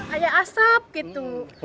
ada asap gitu